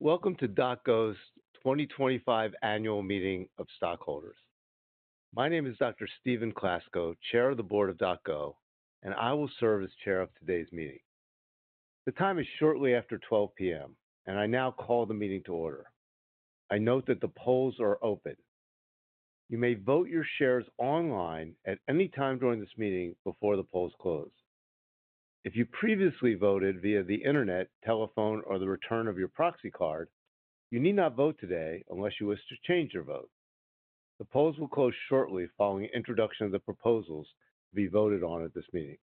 Welcome to DocGo™'s 2025 Annual Meeting of Stockholders. My name is Dr. Steven Classco, Chair of the Board of DocGo™, and I will serve as Chair of today's meeting. The time is shortly after 12:00 P.M., and I now call the meeting to order. I note that the polls are open. You may vote your shares online at any time during this meeting before the polls close. If you previously voted via the internet, telephone, or the return of your proxy card, you need not vote today unless you wish to change your vote. The polls will close shortly following the introduction of the proposals to be voted on at this meeting.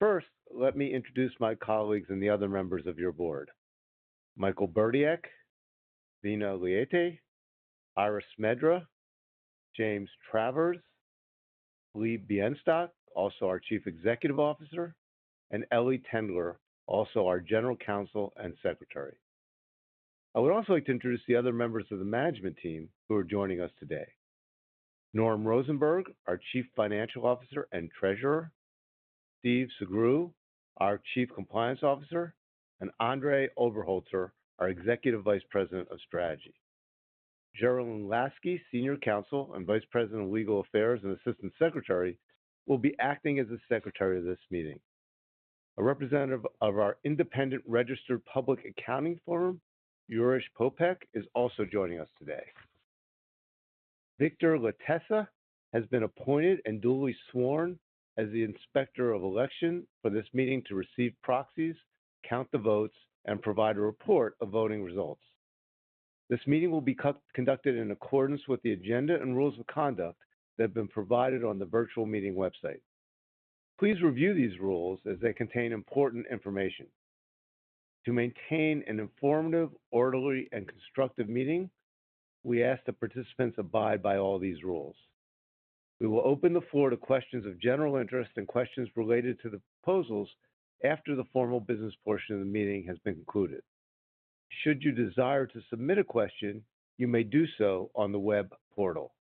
First, let me introduce my colleagues and the other members of your board: Michael Berdiak, Dino Liete, Iris Medra, James Travers, Lee Bienstock, also our Chief Executive Officer, and Ellie Tendler, also our General Counsel and Secretary. I would also like to introduce the other members of the management team who are joining us today: Norm Rosenberg, our Chief Financial Officer and Treasurer; Steve Sagrue, our Chief Compliance Officer; and Andre Oberholzer, our Executive Vice President of Strategy. Jeralyn Lasky, Senior Counsel and Vice President of Legal Affairs and Assistant Secretary, will be acting as the Secretary of this meeting. A representative of our Independent Registered Public Accounting firm, Juriš Popek, is also joining us today. Victor Letessa has been appointed and duly sworn as the Inspector of Election for this meeting to receive proxies, count the votes, and provide a report of voting results. This meeting will be conducted in accordance with the agenda and rules of conduct that have been provided on the virtual meeting website. Please review these rules as they contain important information. To maintain an informative, orderly, and constructive meeting, we ask that participants abide by all these rules. We will open the floor to questions of general interest and questions related to the proposals after the formal business portion of the meeting has been concluded. Should you desire to submit a question, you may do so on the web portal.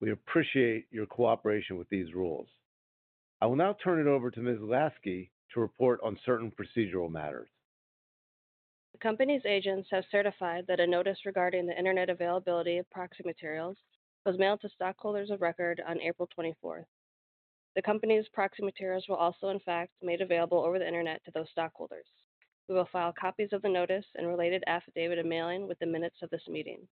We appreciate your cooperation with these rules. I will now turn it over to Ms. Lasky to report on certain procedural matters. The company's agents have certified that a notice regarding the internet availability of proxy materials was mailed to stockholders of record on April 24th. The company's proxy materials were also, in fact, made available over the internet to those stockholders. We will file copies of the notice and related affidavit of mailing with the minutes of this meeting.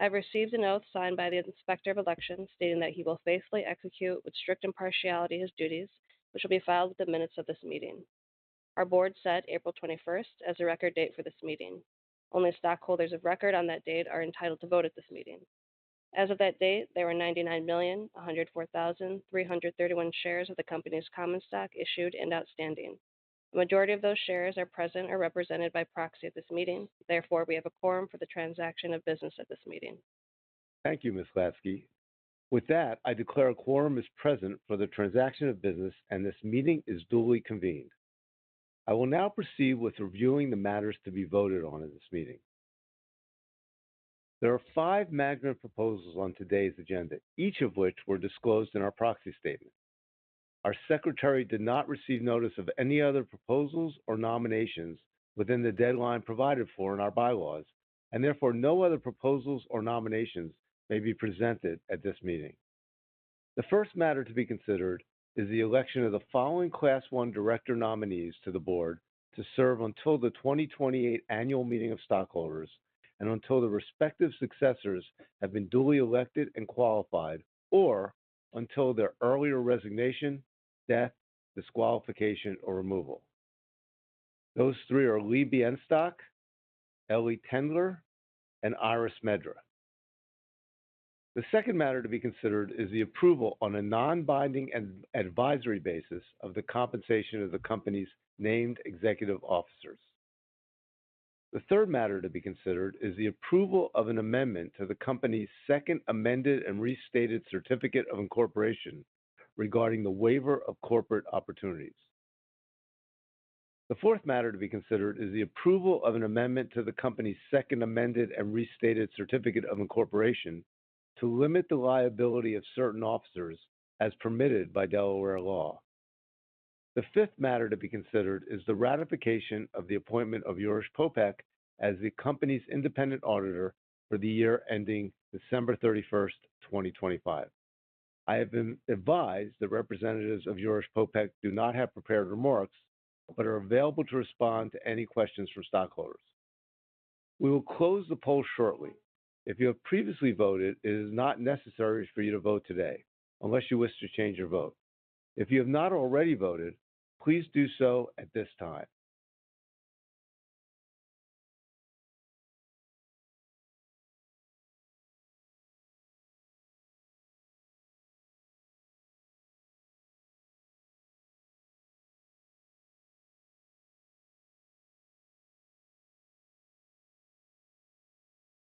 I have received an oath signed by the Inspector of Election stating that he will faithfully execute with strict impartiality his duties, which will be filed with the minutes of this meeting. Our board set April 21st as the record date for this meeting. Only stockholders of record on that date are entitled to vote at this meeting. As of that date, there were 99,104,331 shares of the company's common stock issued and outstanding. The majority of those shares are present or represented by proxy at this meeting. Therefore, we have a quorum for the transaction of business at this meeting. Thank you, Ms. Lasky. With that, I declare a quorum is present for the transaction of business, and this meeting is duly convened. I will now proceed with reviewing the matters to be voted on at this meeting. There are five management proposals on today's agenda, each of which were disclosed in our proxy statement. Our Secretary did not receive notice of any other proposals or nominations within the deadline provided for in our bylaws, and therefore no other proposals or nominations may be presented at this meeting. The first matter to be considered is the election of the following Class 1 Director nominees to the board to serve until the 2028 Annual Meeting of Stockholders and until the respective successors have been duly elected and qualified, or until their earlier resignation, death, disqualification, or removal. Those three are Lee Bienstock, Ellie Tendler, and Iris Medra. The second matter to be considered is the approval on a non-binding and advisory basis of the compensation of the company's named executive officers. The third matter to be considered is the approval of an amendment to the company's second amended and restated certificate of incorporation regarding the waiver of corporate opportunities. The fourth matter to be considered is the approval of an amendment to the company's second amended and restated certificate of incorporation to limit the liability of certain officers as permitted by Delaware law. The fifth matter to be considered is the ratification of the appointment of Juriš Popek as the company's independent auditor for the year ending December 31, 2025. I have advised the representatives of Juriš Popek do not have prepared remarks but are available to respond to any questions from stockholders. We will close the polls shortly. If you have previously voted, it is not necessary for you to vote today unless you wish to change your vote. If you have not already voted, please do so at this time.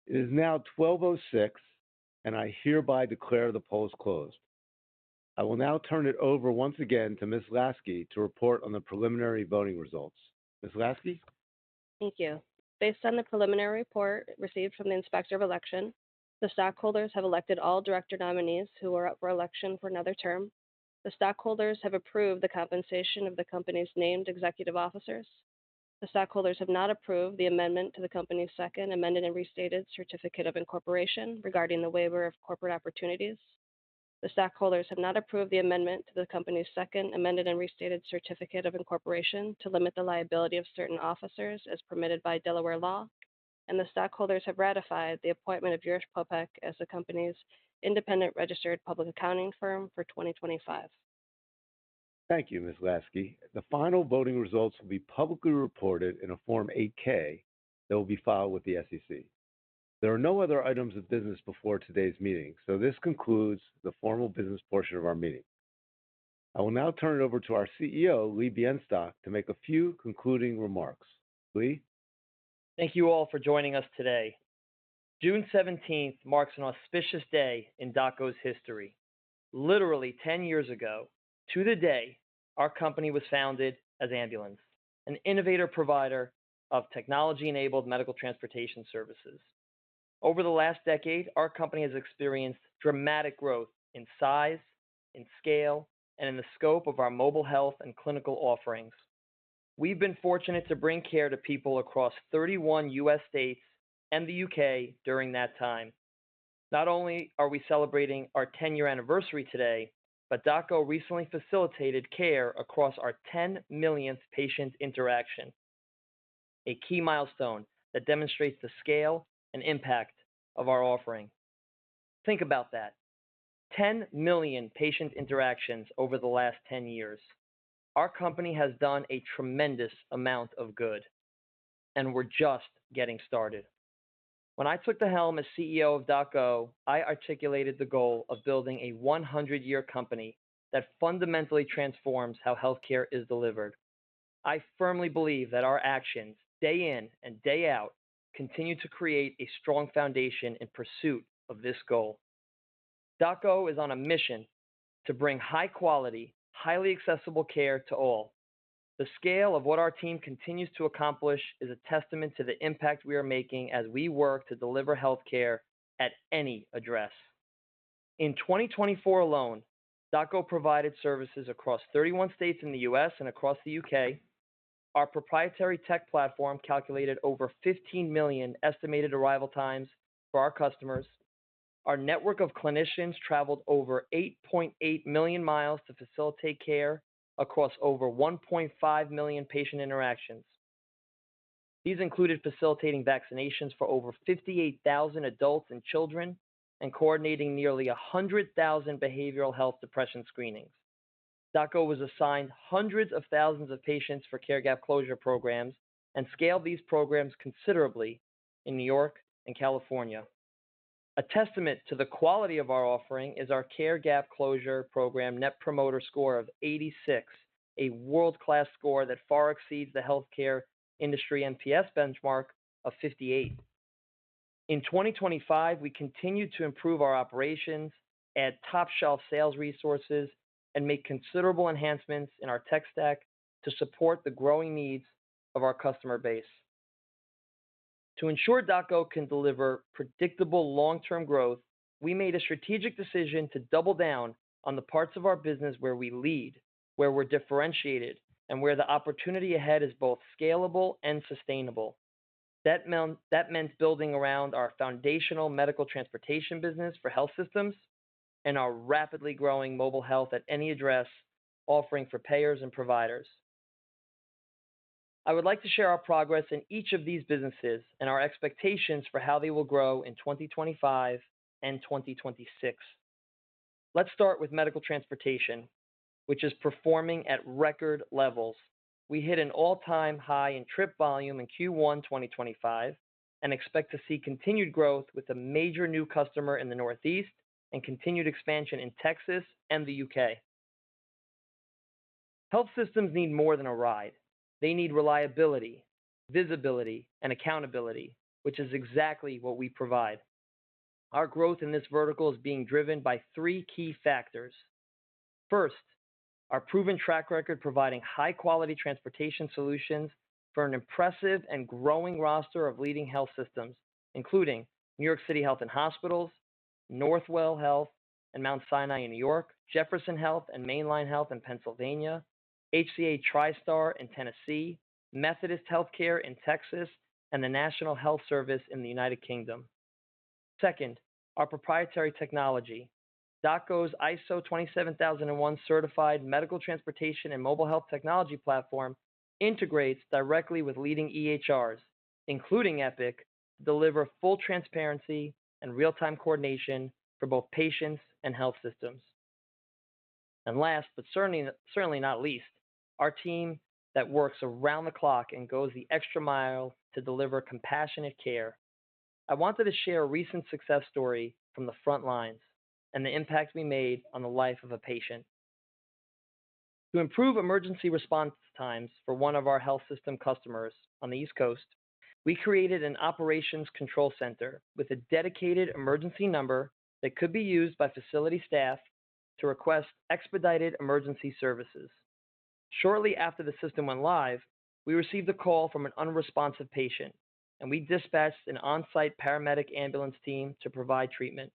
It is now 12:06 P.M., and I hereby declare the polls closed. I will now turn it over once again to Ms. Lasky to report on the preliminary voting results. Ms. Lasky? Thank you. Based on the preliminary report received from the Inspector of Election, the stockholders have elected all Director nominees who are up for election for another term. The stockholders have approved the compensation of the company's named executive officers. The stockholders have not approved the amendment to the company's second amended and restated certificate of incorporation regarding the waiver of corporate opportunities. The stockholders have not approved the amendment to the company's second amended and restated certificate of incorporation to limit the liability of certain officers as permitted by Delaware law, and the stockholders have ratified the appointment of Juriš Popek as the company's Independent Registered Public Accounting firm for 2025. Thank you, Ms. Lasky. The final voting results will be publicly reported in a Form 8-K that will be filed with the SEC. There are no other items of business before today's meeting, so this concludes the formal business portion of our meeting. I will now turn it over to our CEO, Lee Bienstock, to make a few concluding remarks. Lee? Thank you all for joining us today. June 17th marks an auspicious day in DocGo™'s history. Literally 10 years ago to the day our company was founded as Ambulance, an innovator provider of technology-enabled medical transportation services. Over the last decade, our company has experienced dramatic growth in size, in scale, and in the scope of our mobile health and clinical offerings. We've been fortunate to bring care to people across 31 U.S. states and the U.K. during that time. Not only are we celebrating our 10-year anniversary today, but DocGo™ recently facilitated care across our 10 millionth patient interaction, a key milestone that demonstrates the scale and impact of our offering. Think about that: 10 million patient interactions over the last 10 years. Our company has done a tremendous amount of good, and we're just getting started. When I took the helm as CEO of DocGo™, I articulated the goal of building a 100-year company that fundamentally transforms how healthcare is delivered. I firmly believe that our actions, day in and day out, continue to create a strong foundation in pursuit of this goal. DocGo™ is on a mission to bring high-quality, highly accessible care to all. The scale of what our team continues to accomplish is a testament to the impact we are making as we work to deliver healthcare at any address. In 2024 alone, DocGo™ provided services across 31 states in the U.S. and across the U.K. Our proprietary tech platform calculated over 15 million estimated arrival times for our customers. Our network of clinicians traveled over 8.8 million miles to facilitate care across over 1.5 million patient interactions. These included facilitating vaccinations for over 58,000 adults and children and coordinating nearly 100,000 behavioral health depression screenings. DocGo™ was assigned hundreds of thousands of patients for care gap closure programs and scaled these programs considerably in New York and California. A testament to the quality of our offering is our care gap closure program net promoter score of 86, a world-class score that far exceeds the healthcare industry NPS benchmark of 58. In 2025, we continue to improve our operations, add top-shelf sales resources, and make considerable enhancements in our tech stack to support the growing needs of our customer base. To ensure DocGo™ can deliver predictable long-term growth, we made a strategic decision to double down on the parts of our business where we lead, where we're differentiated, and where the opportunity ahead is both scalable and sustainable. That meant building around our foundational medical transportation business for health systems and our rapidly growing mobile health at any address offering for payers and providers. I would like to share our progress in each of these businesses and our expectations for how they will grow in 2025 and 2026. Let's start with medical transportation, which is performing at record levels. We hit an all-time high in trip volume in Q1 2025 and expect to see continued growth with a major new customer in the Northeast and continued expansion in Texas and the U.K. Health systems need more than a ride. They need reliability, visibility, and accountability, which is exactly what we provide. Our growth in this vertical is being driven by three key factors. First, our proven track record providing high-quality transportation solutions for an impressive and growing roster of leading health systems, including New York City Health + Hospitals, Northwell Health and Mount Sinai in New York, Jefferson Health and Main Line Health in Pennsylvania, HCA TriStar in Tennessee, Methodist Healthcare in Texas, and the National Health Service in the United Kingdom. Second, our proprietary technology. DocGo™'s ISO 27001 certified medical transportation and mobile health technology platform integrates directly with leading EHRs, including Epic®, to deliver full transparency and real-time coordination for both patients and health systems. Last, but certainly not least, our team that works around the clock and goes the extra mile to deliver compassionate care. I wanted to share a recent success story from the front lines and the impact we made on the life of a patient. To improve emergency response times for one of our health system customers on the East Coast, we created an operations control center with a dedicated emergency number that could be used by facility staff to request expedited emergency services. Shortly after the system went live, we received a call from an unresponsive patient, and we dispatched an on-site paramedic ambulance team to provide treatment.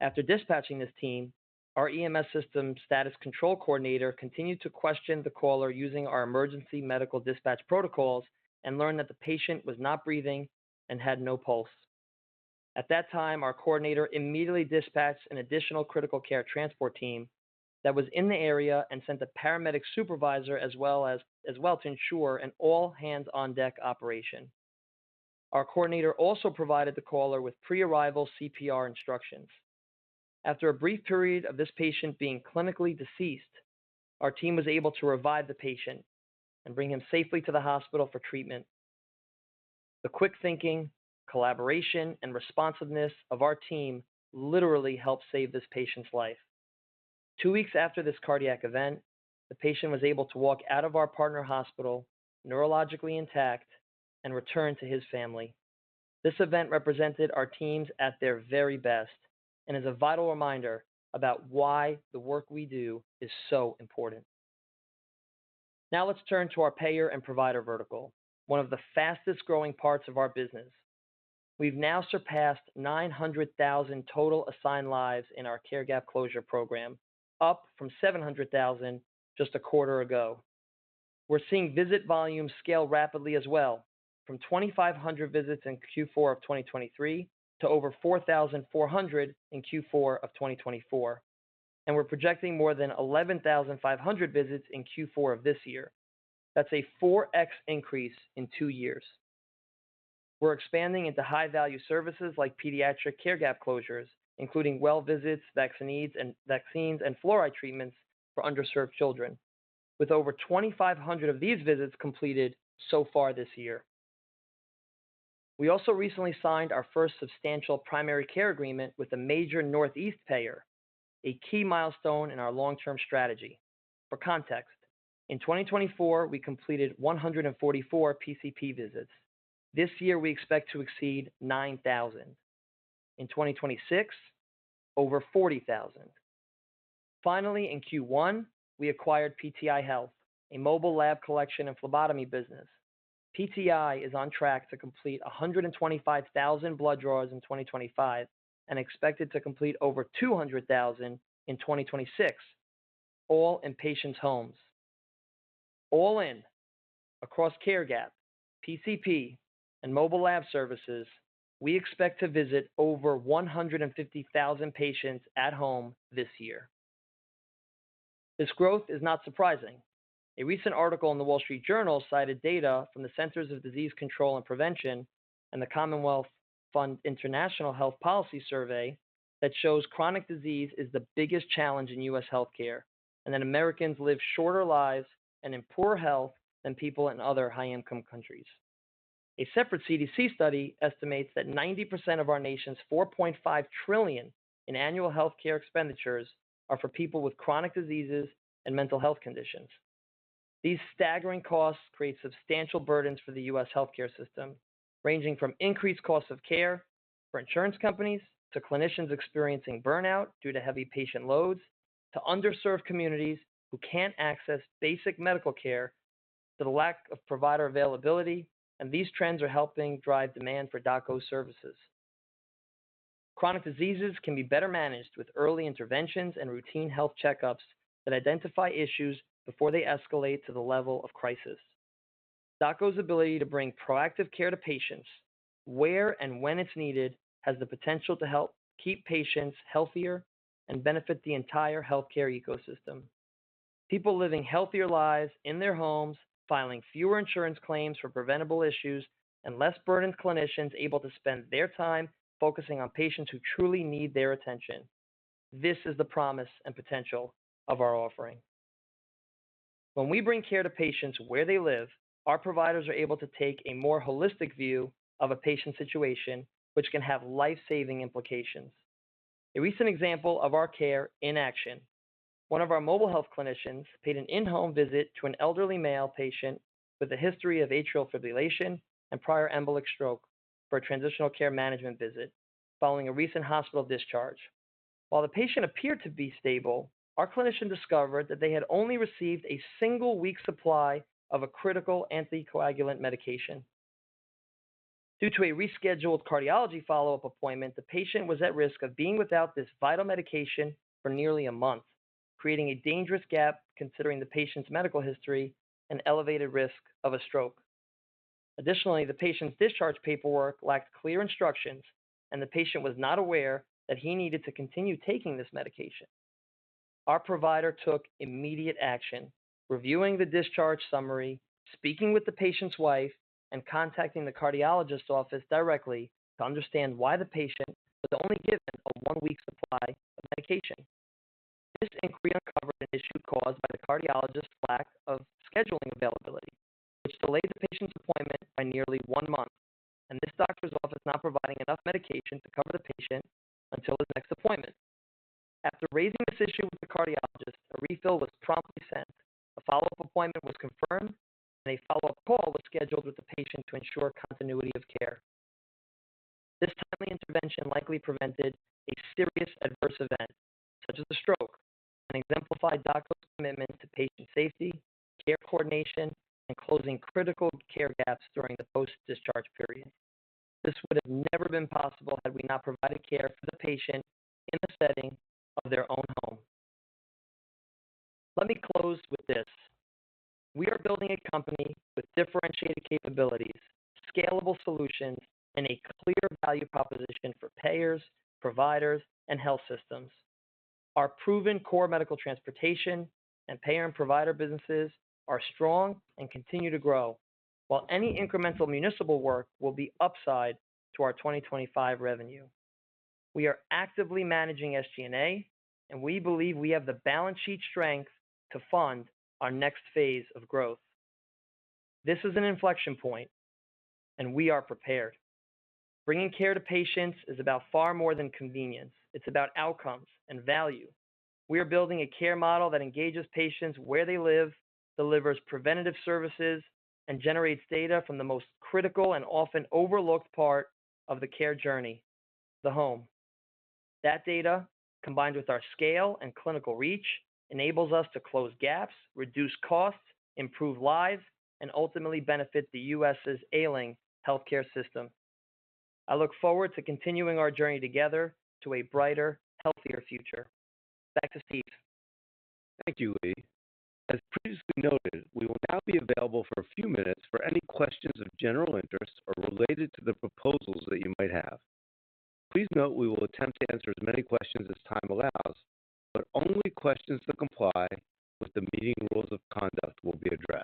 After dispatching this team, our EMS system status control coordinator continued to question the caller using our emergency medical dispatch protocols and learned that the patient was not breathing and had no pulse. At that time, our coordinator immediately dispatched an additional critical care transport team that was in the area and sent a paramedic supervisor as well to ensure an all-hands-on-deck operation. Our coordinator also provided the caller with pre-arrival CPR instructions. After a brief period of this patient being clinically deceased, our team was able to revive the patient and bring him safely to the hospital for treatment. The quick thinking, collaboration, and responsiveness of our team literally helped save this patient's life. Two weeks after this cardiac event, the patient was able to walk out of our partner hospital neurologically intact and return to his family. This event represented our team at their very best and is a vital reminder about why the work we do is so important. Now let's turn to our payer and provider vertical, one of the fastest-growing parts of our business. We've now surpassed 900,000 total assigned lives in our care gap closure program, up from 700,000 just a quarter ago. We're seeing visit volume scale rapidly as well, from 2,500 visits in Q4 of 2023 to over 4,400 in Q4 of 2024, and we're projecting more than 11,500 visits in Q4 of this year. That's a 4X increase in two years. We're expanding into high-value services like pediatric care gap closures, including well visits, vaccines and fluoride treatments for underserved children, with over 2,500 of these visits completed so far this year. We also recently signed our first substantial primary care agreement with a major Northeast payer, a key milestone in our long-term strategy. For context, in 2024, we completed 144 PCP visits. This year, we expect to exceed 9,000. In 2026, over 40,000. Finally, in Q1, we acquired PTI Health, a mobile lab collection and phlebotomy business. PTI is on track to complete 125,000 blood draws in 2025 and expected to complete over 200,000 in 2026, all in patients' homes. All in, across care gap, PCP, and mobile lab services, we expect to visit over 150,000 patients at home this year. This growth is not surprising. A recent article in The Wall Street Journal cited data from the Centers for Disease Control and Prevention and the Commonwealth Fund International Health Policy Survey that shows chronic disease is the biggest challenge in U.S. healthcare and that Americans live shorter lives and in poorer health than people in other high-income countries. A separate CDC study estimates that 90% of our nation's $4.5 trillion in annual healthcare expenditures are for people with chronic diseases and mental health conditions. These staggering costs create substantial burdens for the U.S. Healthcare system, ranging from increased costs of care for insurance companies to clinicians experiencing burnout due to heavy patient loads to underserved communities who can't access basic medical care to the lack of provider availability, and these trends are helping drive demand for DocGo™ services. Chronic diseases can be better managed with early interventions and routine health checkups that identify issues before they escalate to the level of crisis. DocGo™'s ability to bring proactive care to patients where and when it's needed has the potential to help keep patients healthier and benefit the entire healthcare ecosystem. People living healthier lives in their homes, filing fewer insurance claims for preventable issues, and less burdened clinicians able to spend their time focusing on patients who truly need their attention. This is the promise and potential of our offering. When we bring care to patients where they live, our providers are able to take a more holistic view of a patient's situation, which can have life-saving implications. A recent example of our care in action: one of our mobile health clinicians paid an in-home visit to an elderly male patient with a history of atrial fibrillation and prior embolic stroke for a transitional care management visit following a recent hospital discharge. While the patient appeared to be stable, our clinician discovered that they had only received a single-week supply of a critical anticoagulant medication. Due to a rescheduled cardiology follow-up appointment, the patient was at risk of being without this vital medication for nearly a month, creating a dangerous gap considering the patient's medical history and elevated risk of a stroke. Additionally, the patient's discharge paperwork lacked clear instructions, and the patient was not aware that he needed to continue taking this medication. Our provider took immediate action, reviewing the discharge summary, speaking with the patient's wife, and contacting the cardiologist's office directly to understand why the patient was only given a one-week supply of medication. This inquiry uncovered an issue caused by the cardiologist's lack of scheduling availability, which delayed the patient's appointment by nearly one month, and this doctor's office not providing enough medication to cover the patient until his next appointment. After raising this issue with the cardiologist, a refill was promptly sent, a follow-up appointment was confirmed, and a follow-up call was scheduled with the patient to ensure continuity of care. This timely intervention likely prevented a serious adverse event, such as a stroke, and exemplified DocGo™'s commitment to patient safety, care coordination, and closing critical care gaps during the post-discharge period. This would have never been possible had we not provided care for the patient in the setting of their own home. Let me close with this: we are building a company with differentiated capabilities, scalable solutions, and a clear value proposition for payers, providers, and health systems. Our proven core medical transportation and payer and provider businesses are strong and continue to grow, while any incremental municipal work will be upside to our 2025 revenue. We are actively managing SG&A, and we believe we have the balance sheet strength to fund our next phase of growth. This is an inflection point, and we are prepared. Bringing care to patients is about far more than convenience. It's about outcomes and value. We are building a care model that engages patients where they live, delivers preventative services, and generates data from the most critical and often overlooked part of the care journey: the home. That data, combined with our scale and clinical reach, enables us to close gaps, reduce costs, improve lives, and ultimately benefit the U.S.'s ailing healthcare system. I look forward to continuing our journey together to a brighter, healthier future. Back to Steve. Thank you, Lee. As previously noted, we will now be available for a few minutes for any questions of general interest or related to the proposals that you might have. Please note we will attempt to answer as many questions as time allows, but only questions that comply with the meeting rules of conduct will be addressed.